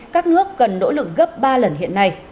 các nước cần nỗ lực gấp ba lần hiện nay